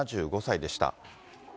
７５歳でした。